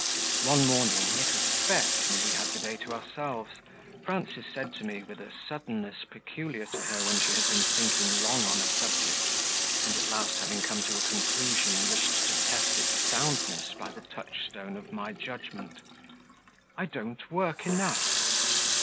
One morning (it was a FETE, and we had the day to ourselves) Frances said to me, with a suddenness peculiar to her when she had been thinking long on a subject, and at last, having come to a conclusion, wished to test its soundness by the touchstone of my judgment: "I don't work enough."